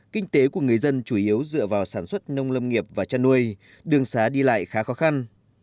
kinh tế của người dân chủ yếu dựa vào sản xuất nông lâm nghiệp và chăn nuôi đường xá đi lại khá khó khăn